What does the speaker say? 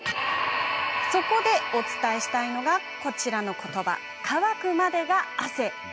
そこで、お伝えしたいのがこの言葉、「乾くまでが汗」。